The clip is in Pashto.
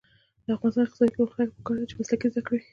د افغانستان د اقتصادي پرمختګ لپاره پکار ده چې مسلکي زده کړې وي.